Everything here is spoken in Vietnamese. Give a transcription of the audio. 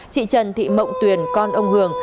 chị trần thị mộng tuyền con ông hường